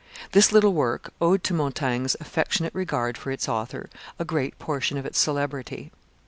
This little work owed to Montaigne's affectionate regard for its author a great portion of its celebrity.